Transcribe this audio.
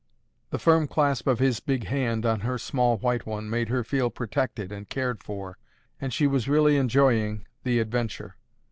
The firm clasp of his big hand on her small white one made her feel protected and cared for and she was really enjoying the adventure.